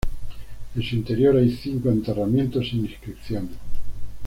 En su interior hay cinco enterramientos sin inscripciones.